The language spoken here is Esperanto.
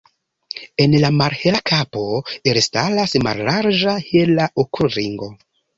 En la malhela kapo elstaras mallarĝa hela okulringo.